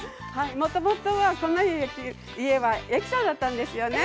もともとはこの家は駅舎だったんですよね。